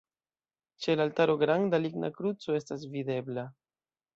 Ĉe la altaro granda ligna kruco estas videbla.